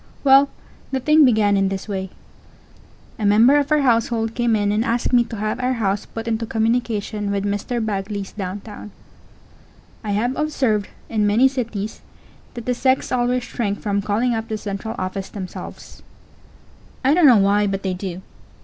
Well, the thing began in this way. A member of our household came in and asked me to have our house put into communication with Mr. Bagley's downtown. I have observed, in many cities, that the sex always shrink from calling up the central office themselves. I don't know why, but they do.